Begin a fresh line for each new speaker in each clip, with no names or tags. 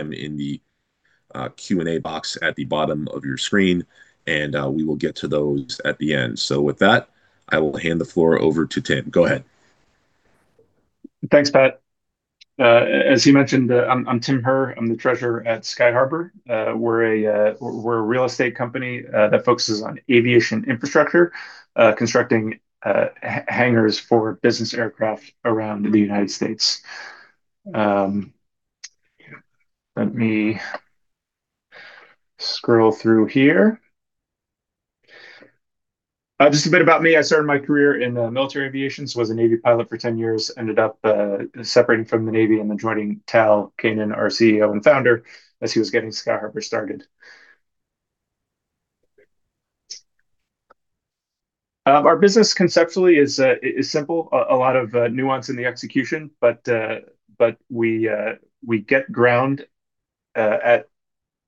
them in the Q&A box at the bottom of your screen, and we will get to those at the end. So with that, I will hand the floor over to Tim. Go ahead.
Thanks, Pat. As you mentioned, I'm Tim Herr. I'm the treasurer at Sky Harbour. We're a real estate company that focuses on aviation infrastructure, constructing hangars for business aircraft around the United States. Let me scroll through here. Just a bit about me. I started my career in military aviation, so I was a Navy pilot for 10 years. Ended up separating from the Navy and then joining Tal Keinan, our CEO and founder, as he was getting Sky Harbour started. Our business conceptually is simple, a lot of nuance in the execution, but we get ground at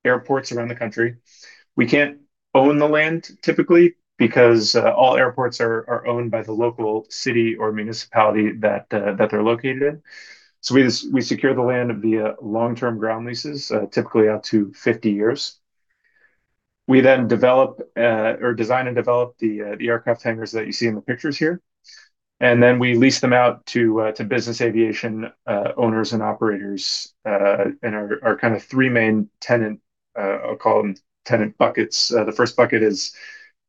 airports around the country. We can't own the land typically, because all airports are owned by the local city or municipality that they're located in. So we secure the land via long-term ground leases, typically out to 50 years. We then develop or design and develop the aircraft hangars that you see in the pictures here, and then we lease them out to business aviation owners and operators. And our kind of three main tenant, I'll call them tenant buckets. The first bucket is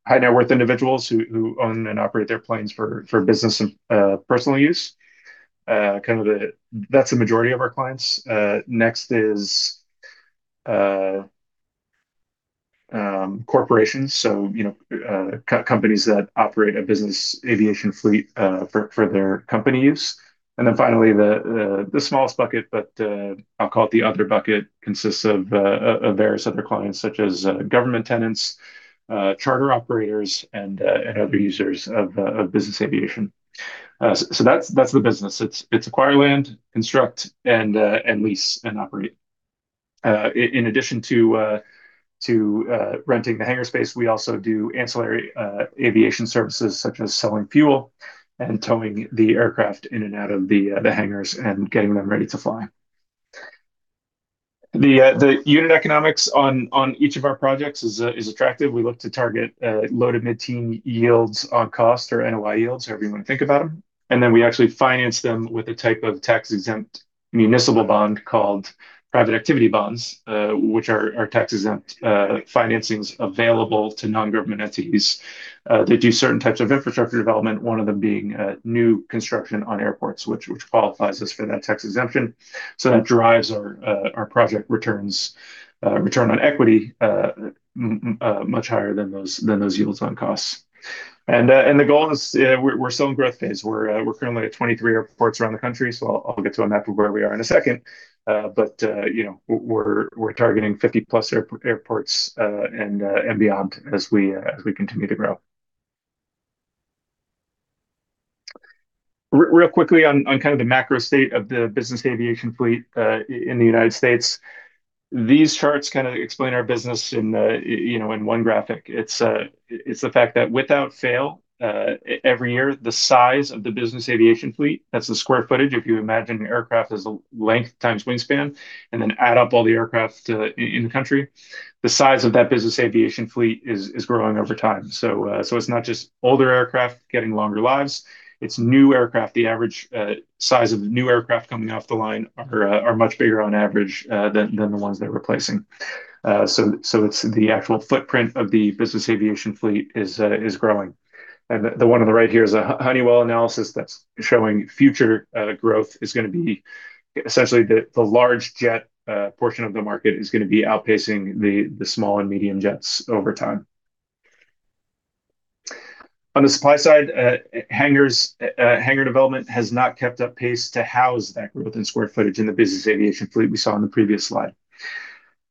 high net worth individuals who own and operate their planes for business and personal use. That's the majority of our clients. Next is corporations, so, you know, companies that operate a business aviation fleet for their company use. And then finally, the smallest bucket, but, I'll call it the other bucket, consists of various other clients, such as government tenants, charter operators, and other users of business aviation. So that's the business. It's acquire land, construct, and lease, and operate. In addition to renting the hangar space, we also do ancillary aviation services, such as selling fuel and towing the aircraft in and out of the hangars and getting them ready to fly. The unit economics on each of our projects is attractive. We look to target low to mid-teen yields on cost or NOI yields, however you want to think about them, and then we actually finance them with a type of tax-exempt municipal bond called private activity bonds. Which are tax-exempt financings available to non-government entities. They do certain types of infrastructure development, one of them being new construction on airports, which qualifies us for that tax exemption. So that drives our project returns, return on equity, much higher than those yields on costs. And the goal is, we're still in growth phase. We're currently at 23 airports around the country, so I'll get to a map of where we are in a second. You know, we're targeting 50+ airports and beyond as we continue to grow. Real quickly on kind of the macro state of the business aviation fleet in the United States. These charts kind of explain our business in, you know, in one graphic. It's the fact that without fail, every year, the size of the business aviation fleet, that's the square footage, if you imagine an aircraft as a length times wingspan, and then add up all the aircraft in the country, the size of that business aviation fleet is growing over time. So, it's not just older aircraft getting longer lives, it's new aircraft. The average size of the new aircraft coming off the line are much bigger on average than the ones they're replacing. So it's the actual footprint of the business aviation fleet is growing. And the one on the right here is a Honeywell analysis that's showing future growth is gonna be... Essentially, the large jet portion of the market is gonna be outpacing the small and medium jets over time. On the supply side, hangar development has not kept up pace to house that growth in square footage in the business aviation fleet we saw in the previous slide.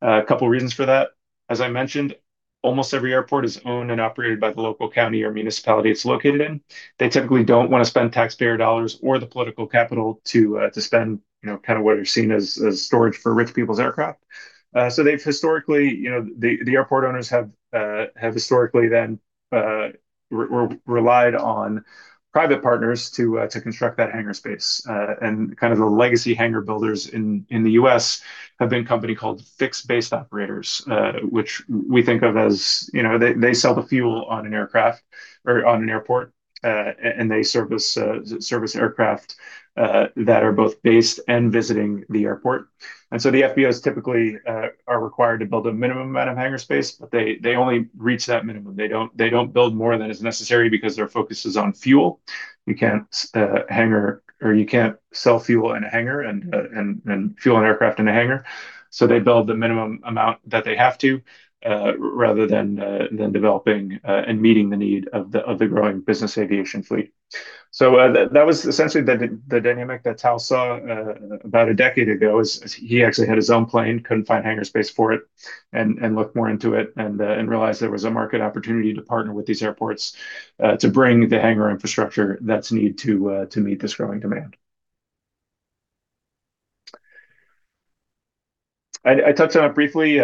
A couple reasons for that. As I mentioned, almost every airport is owned and operated by the local county or municipality it's located in. They typically don't want to spend taxpayer dollars or the political capital to, to spend, you know, kind of what is seen as, as storage for rich people's aircraft. So they've historically, you know, the airport owners have historically then relied on private partners to, to construct that hangar space. And kind of the legacy hangar builders in, in the U.S. have been company called Fixed Base Operators, which we think of as, you know, they, they sell the fuel on an aircraft or on an airport, and they service aircraft that are both based and visiting the airport. And so the FBOs typically are required to build a minimum amount of hangar space, but they, they only reach that minimum. They don't, they don't build more than is necessary because their focus is on fuel. You can't hangar or you can't sell fuel in a hangar and fuel an aircraft in a hangar. So they build the minimum amount that they have to, rather than developing and meeting the need of the growing business aviation fleet. So, that was essentially the dynamic that Tal saw about a decade ago. He actually had his own plane, couldn't find hangar space for it, and looked more into it, and realized there was a market opportunity to partner with these airports to bring the hangar infrastructure that's needed to meet this growing demand. I touched on it briefly,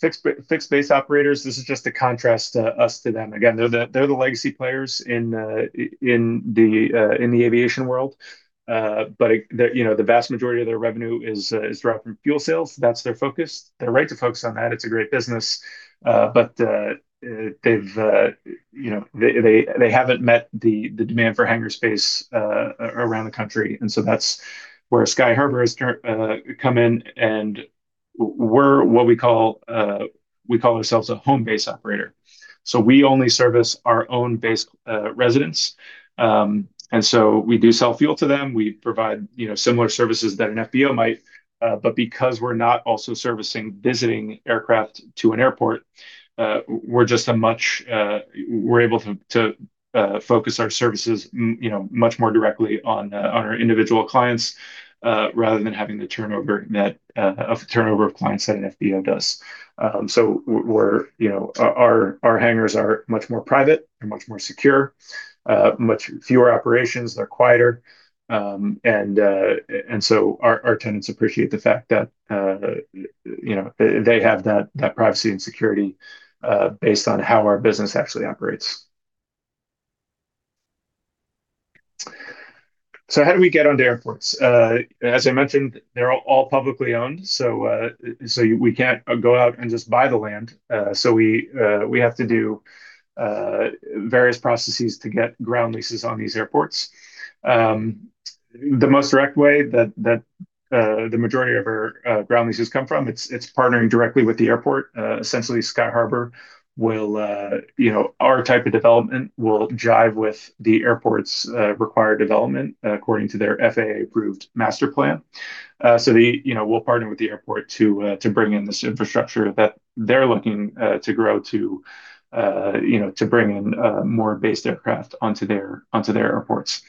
fixed base operators, this is just a contrast, us to them. Again, they're the legacy players in the aviation world. But, you know, the vast majority of their revenue is derived from fuel sales. That's their focus. They're right to focus on that. It's a great business. But, you know, they haven't met the demand for hangar space around the country, and so that's where Sky Harbour has come in, and we're what we call, we call ourselves a Home Base Operator. So we only service our own base residents. And so we do sell fuel to them. We provide, you know, similar services that an FBO might, but because we're not also servicing visiting aircraft to an airport, we're just a much... We're able to to focus our services, you know, much more directly on our individual clients, rather than having the turnover that of the turnover of clients that an FBO does. So we're, you know, our hangars are much more private and much more secure, much fewer operations, they're quieter. And so our tenants appreciate the fact that, you know, they have that privacy and security, based on how our business actually operates. So how do we get onto airports? As I mentioned, they're all publicly owned, so we can't go out and just buy the land. So we have to do various processes to get ground leases on these airports. The most direct way that the majority of our ground leases come from, it's partnering directly with the airport. Essentially, Sky Harbour will, you know, our type of development will jive with the airport's required development, according to their FAA-approved master plan. So the, you know, we'll partner with the airport to bring in this infrastructure that they're looking to grow to, you know, to bring in more based aircraft onto their airports.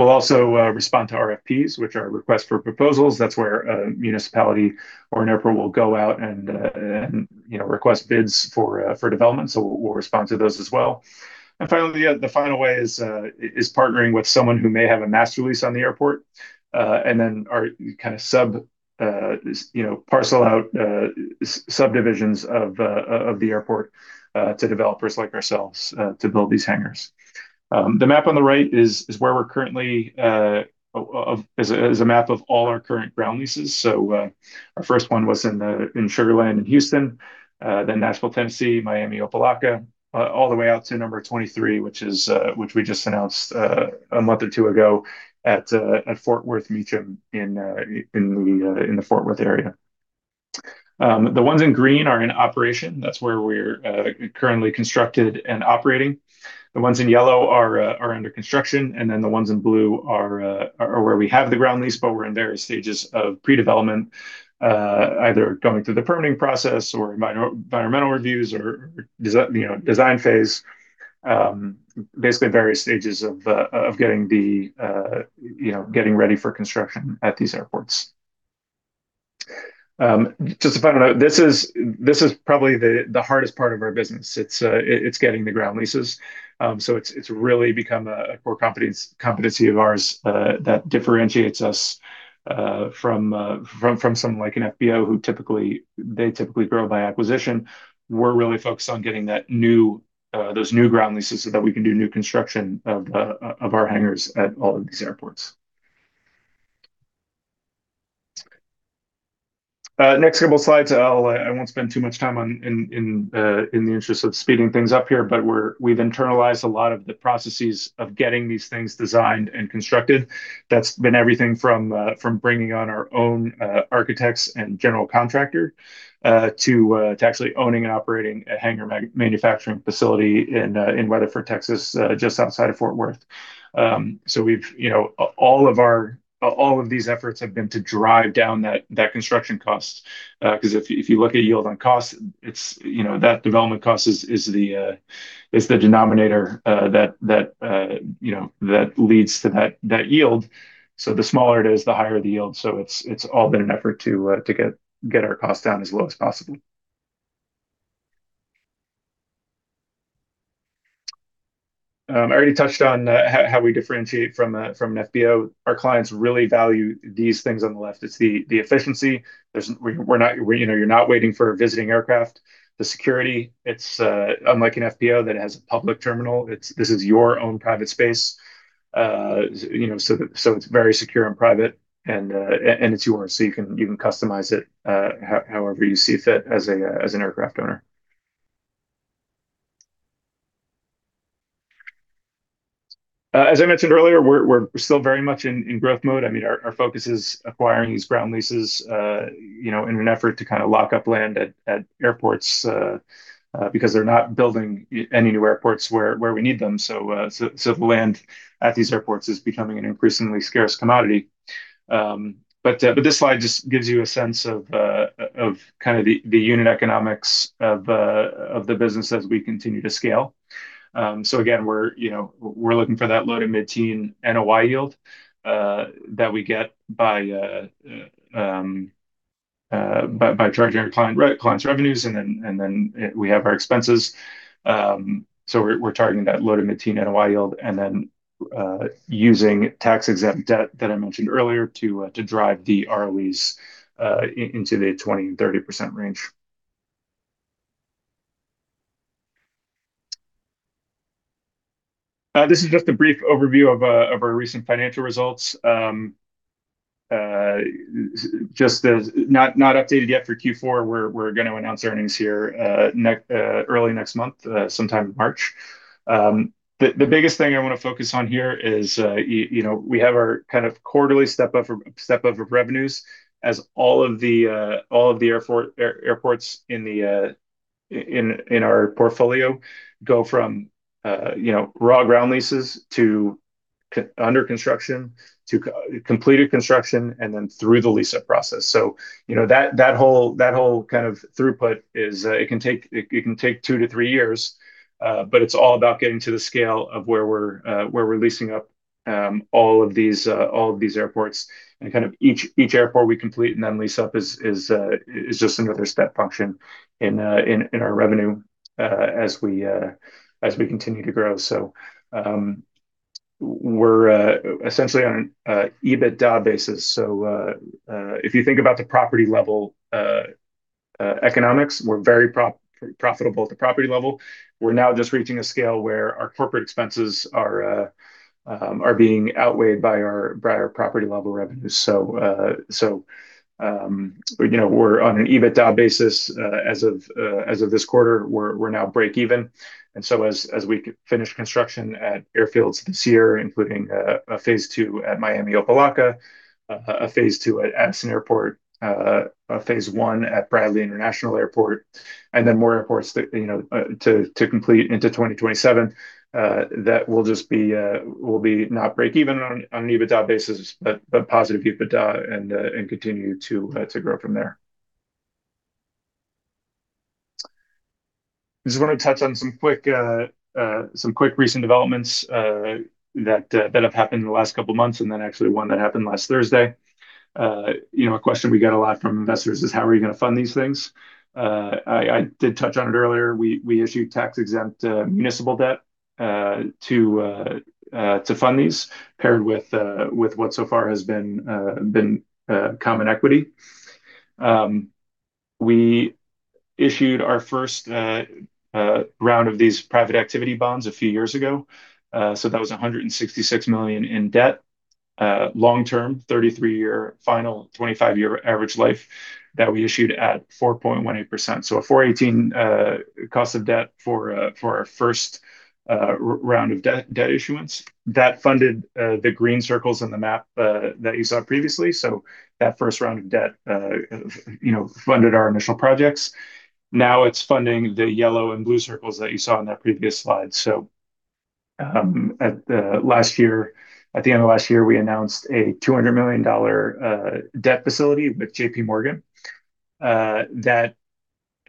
We'll also respond to RFPs, which are requests for proposals. That's where a municipality or an airport will go out and, you know, request bids for development. So we'll respond to those as well. And finally, the final way is partnering with someone who may have a master lease on the airport, and then are kind of, you know, parcel out subdivisions of the airport to developers like ourselves to build these hangars. The map on the right is a map of all our current ground leases. So, our first one was in Sugar Land in Houston, then Nashville, Tennessee, Miami-Opa Locka, all the way out to number 23, which we just announced a month or two ago at Fort Worth Meacham in the Fort Worth area. The ones in green are in operation. That's where we're currently constructed and operating. The ones in yellow are under construction, and then the ones in blue are where we have the ground lease, but we're in various stages of pre-development, either going through the permitting process or environmental reviews or you know, design phase. Basically various stages of getting the you know, getting ready for construction at these airports. Just a final note, this is probably the hardest part of our business. It's getting the ground leases. So it's really become a core competence, competency of ours that differentiates us from someone like an FBO, who typically grow by acquisition. We're really focused on getting that new, those new ground leases so that we can do new construction of our hangars at all of these airports. Next couple slides, I won't spend too much time on, in the interest of speeding things up here, but we've internalized a lot of the processes of getting these things designed and constructed. That's been everything from bringing on our own architects and general contractor to actually owning and operating a hangar manufacturing facility in Weatherford, Texas, just outside of Fort Worth. So we've, you know, all of our, all of these efforts have been to drive down that, that construction cost, 'cause if, if you look at yield on cost, it's, you know, that development cost is, is the, is the denominator, that, that, you know, that leads to that, that yield. So the smaller it is, the higher the yield. So it's, it's all been an effort to, to get, get our costs down as low as possible. I already touched on, how, how we differentiate from an FBO. Our clients really value these things on the left. It's the, the efficiency. There's... We're, we're not, you know, you're not waiting for a visiting aircraft. The security, it's unlike an FBO that has a public terminal, it's this is your own private space, you know, so it's very secure and private, and it's yours, so you can customize it, however you see fit as an aircraft owner. As I mentioned earlier, we're still very much in growth mode. I mean, our focus is acquiring these ground leases, you know, in an effort to kind of lock up land at airports, because they're not building any new airports where we need them. So, the land at these airports is becoming an increasingly scarce commodity. But this slide just gives you a sense of kind of the unit economics of the business as we continue to scale. So again, we're, you know, we're looking for that low to mid-teen NOI yield that we get by charging our clients' revenues, and then we have our expenses. So we're targeting that low to mid-teen NOI yield, and then using tax-exempt debt that I mentioned earlier, to drive the ROEs into the 20%-30% range. This is just a brief overview of our recent financial results. Just as not updated yet for Q4. We're gonna announce earnings here next early next month, sometime in March. The biggest thing I wanna focus on here is, you know, we have our kind of quarterly step up, step up of revenues as all of the airports in our portfolio go from, you know, raw ground leases to under construction, to completed construction, and then through the lease-up process. So, you know, that whole kind of throughput is, it can take... It can take two to three years, but it's all about getting to the scale of where we're leasing up all of these airports. And kind of each airport we complete and then lease up is just another step function in our revenue as we continue to grow. So, we're essentially on an EBITDA basis. So, if you think about the property level economics, we're very profitable at the property level. We're now just reaching a scale where our corporate expenses are being outweighed by our property level revenues. So, you know, we're on an EBITDA basis, as of this quarter, we're now break even. As we finish construction at airfields this year, including a phase two at Miami-Opa locka, a phase two at Addison Airport, a phase one at Bradley International Airport, and then more airports that you know to complete into 2027, that will just be not break even on an EBITDA basis, but positive EBITDA and continue to grow from there. Just wanna touch on some quick recent developments that have happened in the last couple of months, and then actually one that happened last Thursday. You know, a question we get a lot from investors is: How are you gonna fund these things? I did touch on it earlier. We issued tax-exempt municipal debt to fund these, paired with what so far has been common equity. We issued our first round of these Private Activity Bonds a few years ago. So that was $166 million in debt, long-term, 33-year final, 25-year average life, that we issued at 4.18%. So a 4.18 cost of debt for our first round of debt issuance. That funded the green circles on the map that you saw previously. So that first round of debt, you know, funded our initial projects. Now it's funding the yellow and blue circles that you saw in that previous slide. At the end of last year, we announced a $200 million debt facility with JPMorgan. That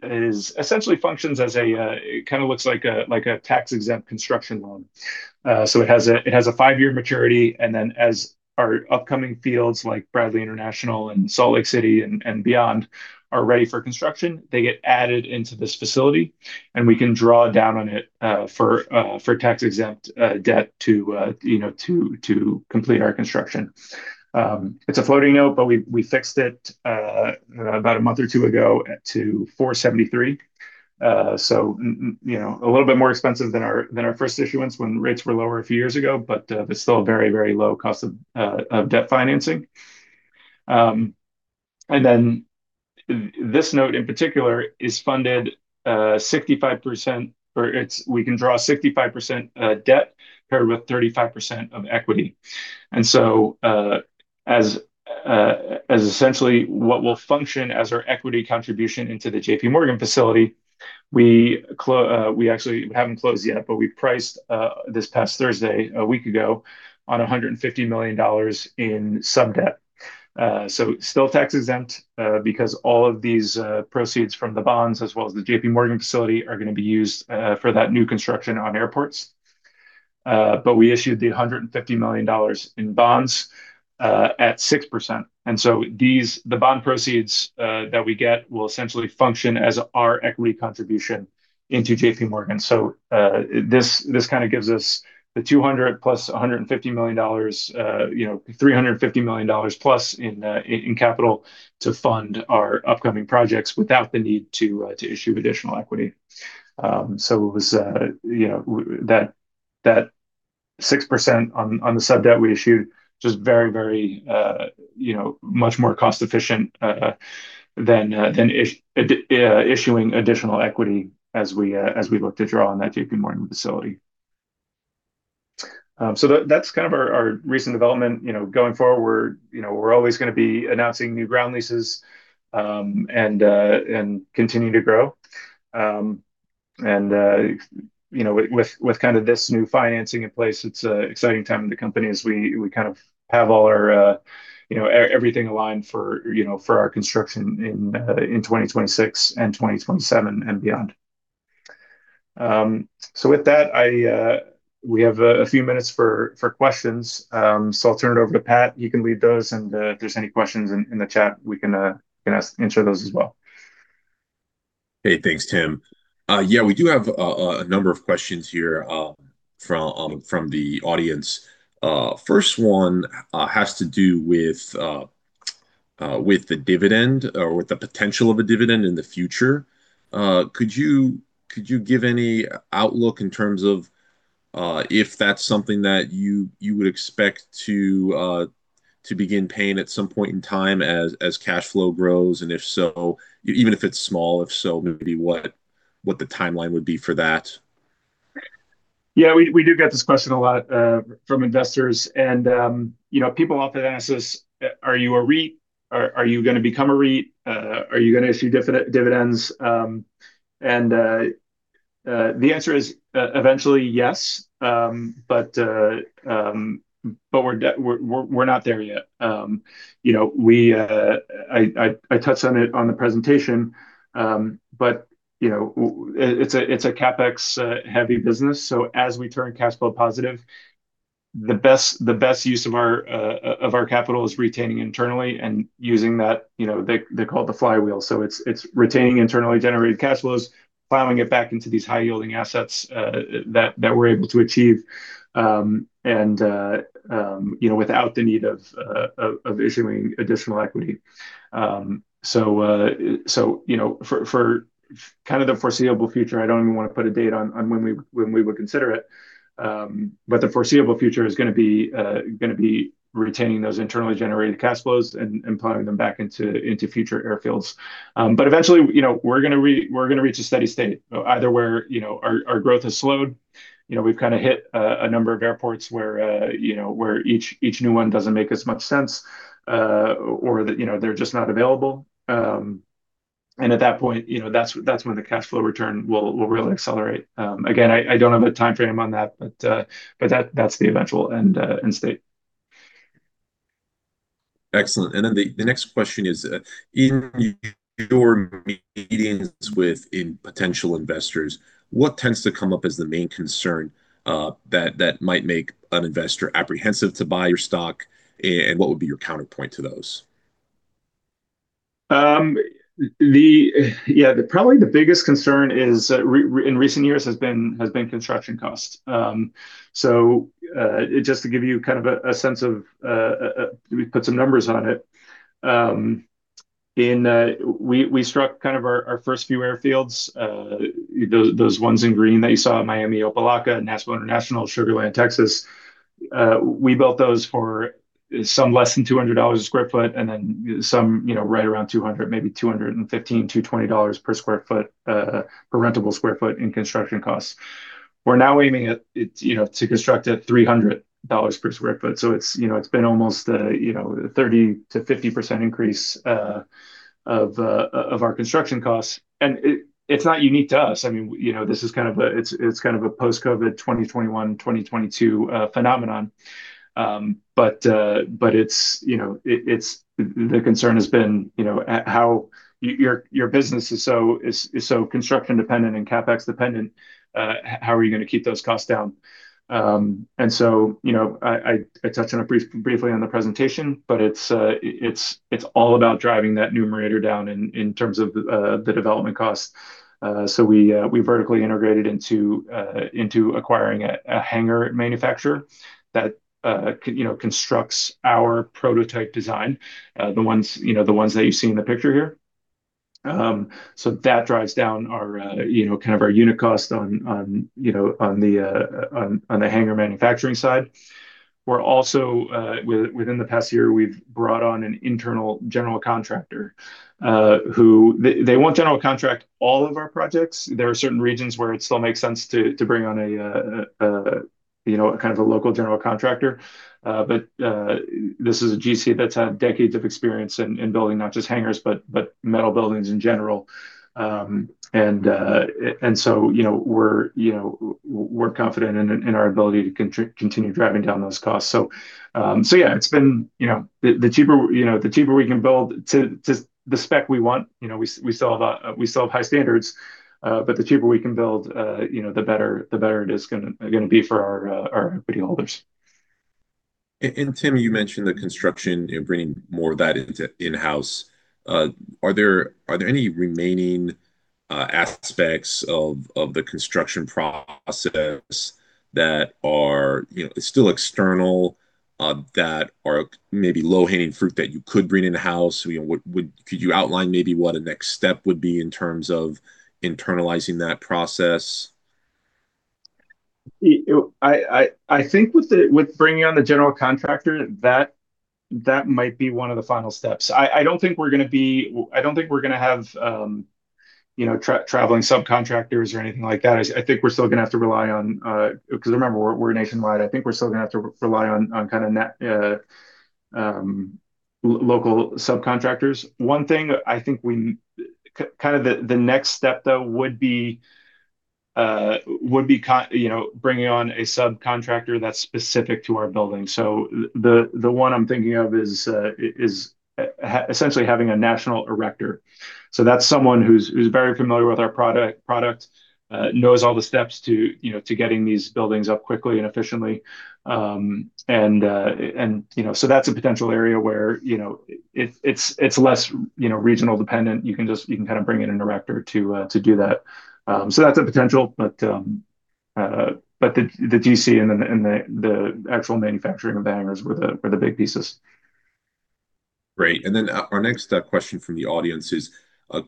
is... Essentially functions as a, it kinda looks like a, like a tax-exempt construction loan. So it has a, it has a five-year maturity, and then, as our upcoming fields, like Bradley International and Salt Lake City and, and beyond, are ready for construction, they get added into this facility, and we can draw down on it, for tax-exempt debt to, you know, to complete our construction. It's a floating note, but we, we fixed it, about a month or two ago, at 4.73. So, you know, a little bit more expensive than our first issuance when rates were lower a few years ago, but it's still a very, very low cost of debt financing. And then, this note, in particular, is funded 65%, or we can draw 65% debt, paired with 35% of equity. And so, as essentially what will function as our equity contribution into the JPMorgan facility, we actually haven't closed yet, but we priced, this past Thursday, a week ago, on $150 million in subdebt. So still tax-exempt, because all of these proceeds from the bonds, as well as the JPMorgan facility, are gonna be used for that new construction on airports. But we issued $150 million in bonds at 6%. And so these, the bond proceeds that we get will essentially function as our equity contribution into JPMorgan. So, this, this kind of gives us the $200 million plus $150 million, you know, $350 million plus in capital to fund our upcoming projects without the need to issue additional equity. So it was, you know, that 6% on the subdebt we issued, just very, very, you know, much more cost-efficient than issuing additional equity as we look to draw on that JPMorgan facility. So that, that's kind of our recent development. You know, going forward, you know, we're always gonna be announcing new ground leases and continue to grow. And you know, with this new financing in place, it's a exciting time in the company as we kind of have all our, you know, everything aligned for, you know, for our construction in 2026 and 2027, and beyond. So with that, we have a few minutes for questions. So I'll turn it over to Pat. You can read those, and if there's any questions in the chat, we can answer those as well.
Hey, thanks, Tim. Yeah, we do have a number of questions here, from the audience. First one has to do with-... with the dividend or with the potential of a dividend in the future, could you give any outlook in terms of if that's something that you would expect to begin paying at some point in time as cash flow grows? And if so, even if it's small, maybe what the timeline would be for that?
Yeah, we do get this question a lot from investors. And you know, people often ask us, "Are you a REIT, or are you gonna become a REIT? Are you gonna issue dividends?" And the answer is eventually, yes. But we're not there yet. You know, I touched on it on the presentation, but you know, it's a CapEx heavy business. So as we turn cash flow positive, the best use of our capital is retaining internally and using that, you know, they call it the flywheel. So it's retaining internally generated cash flows, plowing it back into these high-yielding assets that we're able to achieve, and you know, without the need of issuing additional equity. So you know, for kind of the foreseeable future, I don't even wanna put a date on when we would consider it. But the foreseeable future is gonna be retaining those internally generated cash flows and plowing them back into future airfields. But eventually, you know, we're gonna reach a steady state, either where you know, our growth has slowed, you know, we've kind of hit a number of airports where you know, where each new one doesn't make as much sense, or that you know, they're just not available. And at that point, you know, that's when the cash flow return will really accelerate. Again, I don't have a timeframe on that, but that's the eventual end state.
Excellent. And then the next question is, in your meetings with potential investors, what tends to come up as the main concern, that might make an investor apprehensive to buy your stock? And what would be your counterpoint to those?
The probably the biggest concern in recent years has been construction costs. So, just to give you kind of a sense of, we put some numbers on it. In we struck kind of our first few airfields, those ones in green that you saw, Miami Opa-locka, Nashville International, Sugar Land, Texas. We built those for some less than $200 a sq ft, and then some, you know, right around $200, maybe $215-$20 per sq ft, per rentable sq ft in construction costs. We're now aiming at, you know, to construct at $300 per sq ft. So it's, you know, it's been almost a 30%-50% increase of our construction costs. It’s not unique to us. I mean, you know, this is kind of a post-COVID, 2021, 2022, phenomenon. But it’s, you know, the concern has been, you know, how your business is so construction dependent and CapEx dependent, how are you gonna keep those costs down? And so, you know, I touched on it briefly on the presentation, but it’s all about driving that numerator down in terms of the development costs. So we vertically integrated into acquiring a hangar manufacturer that you know, constructs our prototype design, the ones, you know, the ones that you see in the picture here. So that drives down our, you know, kind of our unit cost on, you know, on the hangar manufacturing side. We're also within the past year, we've brought on an internal general contractor, who... They, they won't general contract all of our projects. There are certain regions where it still makes sense to bring on a, you know, a kind of a local general contractor. But this is a GC that's had decades of experience in building, not just hangars, but metal buildings in general. And so, you know, we're, you know, we're confident in our ability to continue driving down those costs. So, yeah, it's been, you know, the cheaper we can build to the spec we want, you know, we still have high standards, but the cheaper we can build, you know, the better it is gonna be for our equity holders.
And Tim, you mentioned the construction and bringing more of that into in-house. Are there any remaining aspects of the construction process that are, you know, still external, that are maybe low-hanging fruit that you could bring in-house? You know, what could you outline maybe what a next step would be in terms of internalizing that process?
I think with the, with bringing on the general contractor, that might be one of the final steps. I don't think we're gonna be... I don't think we're gonna have, you know, traveling subcontractors or anything like that. I think we're still gonna have to rely on, because remember, we're nationwide. I think we're still gonna have to rely on, kinda local subcontractors. One thing I think kind of the next step, though, would be you know, bringing on a subcontractor that's specific to our building. So the one I'm thinking of is essentially having a national erector. So that's someone who's very familiar with our product, knows all the steps to, you know, to getting these buildings up quickly and efficiently. And, you know, so that's a potential area where, you know, it's less, you know, regional dependent. You can kind of bring in an erector to do that. So that's a potential, but the GC and the actual manufacturing of hangars were the big pieces.
Great. And then, our next question from the audience is: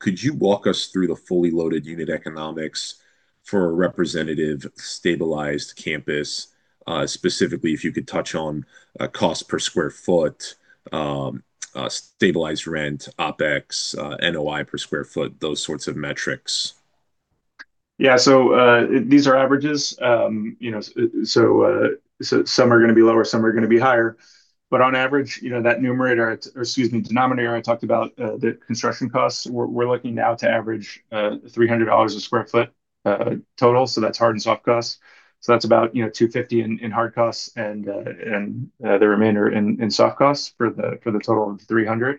Could you walk us through the fully loaded unit economics for a representative stabilized campus? Specifically, if you could touch on, cost per sq ft, stabilized rent, OpEx, NOI per sq ft, those sorts of metrics.
Yeah. So, these are averages. You know, so some are gonna be lower, some are gonna be higher. But on average, you know, that numerator, or excuse me, denominator, I talked about, the construction costs, we're looking now to average $300/sq ft total, so that's hard and soft costs. So that's about, you know, $250 in hard costs and the remainder in soft costs for the total of $300.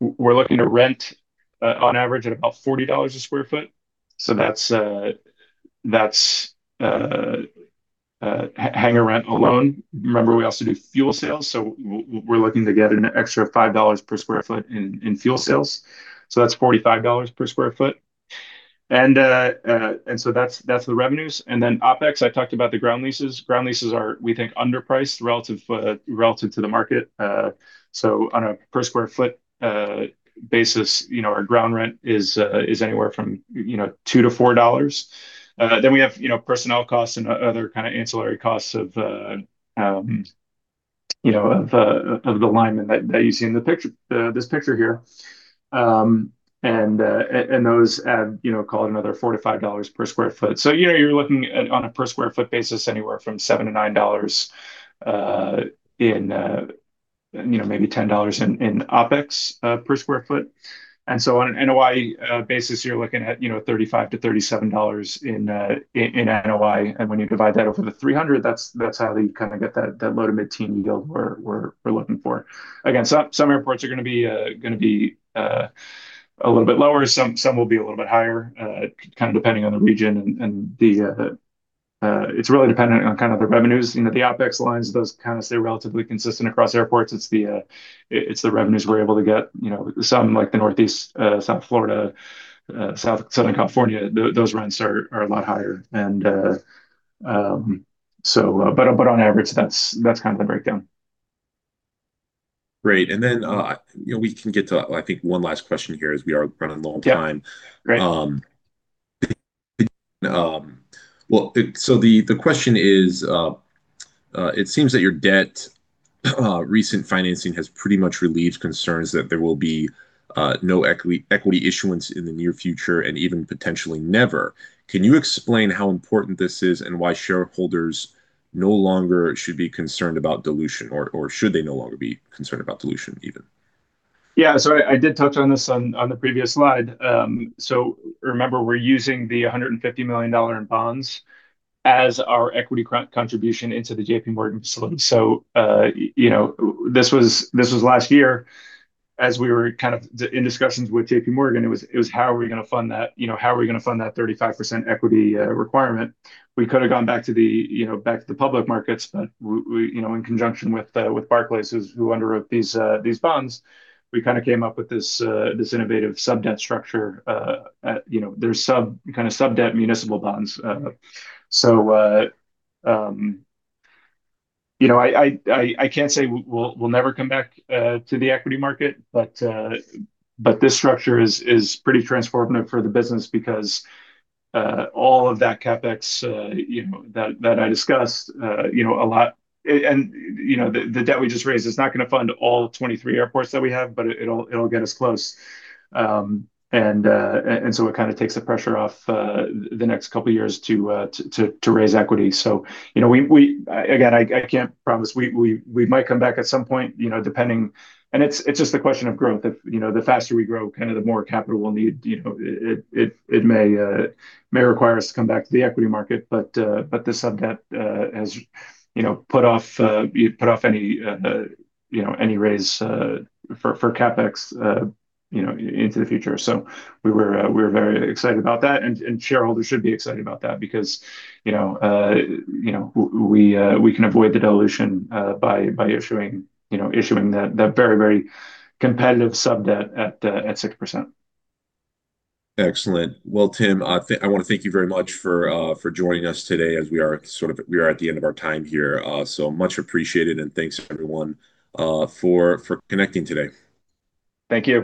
We're looking to rent on average at about $40/sq ft. So that's hangar rent alone. Remember, we also do fuel sales, so we're looking to get an extra $5 per sq ft in fuel sales, so that's $45 per sq ft. And so that's the revenues. Then OpEx, I talked about the ground leases. Ground leases are, we think, underpriced relative to the market. So on a per sq ft basis, you know, our ground rent is anywhere from, you know, $2-$4. Then we have, you know, personnel costs and other kind of ancillary costs of, you know, of the linemen that you see in the picture, this picture here. And those add, you know, call it another $4-$5 per sq ft. So, you know, you're looking at, on a per sq ft basis, anywhere from $7-$9, you know, maybe $10 in OpEx per sq ft. On an NOI basis, you're looking at, you know, $35-$37 in NOI. And when you divide that over the 300, that's how you kinda get that low to mid-teen yield we're looking for. Again, some airports are gonna be a little bit lower, some will be a little bit higher, kind of depending on the region and the... It's really dependent on kind of the revenues. You know, the OPEX lines, those kind of stay relatively consistent across airports. It's the revenues we're able to get. You know, some, like the Northeast, South Florida, Southern California, those rents are a lot higher. And so, but on average, that's kind of the breakdown.
Great! And then, you know, we can get to, I think, one last question here, as we are running low on time.
Yeah. Great.
Well, so the question is: It seems that your debt recent financing has pretty much relieved concerns that there will be no equity issuance in the near future, and even potentially never. Can you explain how important this is, and why shareholders no longer should be concerned about dilution, or should they no longer be concerned about dilution, even?
Yeah. So I did touch on this on the previous slide. So remember, we're using the $150 million in bonds as our equity contribution into the JPMorgan facility. So, you know, this was last year, as we were kind of in discussions with JPMorgan. It was, how are we gonna fund that? You know, how are we gonna fund that 35% equity requirement? We could have gone back to the, you know, back to the public markets, but we, you know, in conjunction with Barclays, who underwrote these bonds, we kinda came up with this innovative sub-debt structure. You know, they're kinda sub-debt municipal bonds. So, you know, I can't say we'll never come back to the equity market, but this structure is pretty transformative for the business because all of that CapEx, you know, that I discussed, you know, a lot... And, you know, the debt we just raised is not gonna fund all 23 airports that we have, but it'll get us close. And so it kinda takes the pressure off the next couple of years to raise equity. So, you know, we, again, I can't promise... We might come back at some point, you know, depending-- And it's just a question of growth. If, you know, the faster we grow, kind of, the more capital we'll need. You know, it may require us to come back to the equity market, but the sub-debt has, you know, put off any raise for CapEx, you know, into the future. So we were very excited about that, and shareholders should be excited about that because, you know, we can avoid the dilution by issuing that very competitive sub-debt at 6%.
Excellent! Well, Tim, I wanna thank you very much for joining us today, as we are at the end of our time here. So much appreciated, and thanks, everyone, for connecting today.
Thank you, everyone.